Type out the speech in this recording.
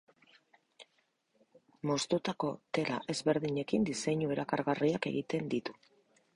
Moztutako tela ezberdinekin diseinu erakargarriak egiten ditu.